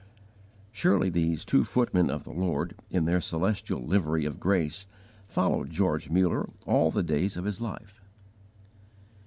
"_ Surely these two footmen of the Lord, in their celestial livery of grace, followed George Muller all the days of his life.